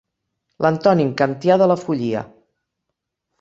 L'antònim kantià de la follia.